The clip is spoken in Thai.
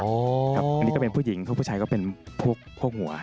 อันนี้ก็เป็นผู้หญิงพวกผู้ชายก็เป็นพวกหัว